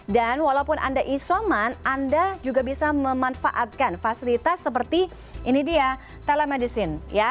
dan walaupun anda isoman anda juga bisa memanfaatkan fasilitas seperti ini dia telemedicine